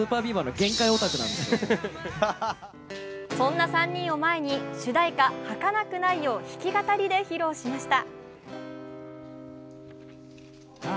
そんな３人を前に主題歌「儚くない」を弾き語りで披露しました。